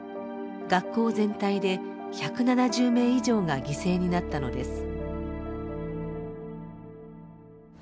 学校全体で１７０名以上が犠牲になったのです。